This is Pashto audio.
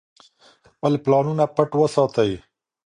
خپل پلانونه پټ وساتئ.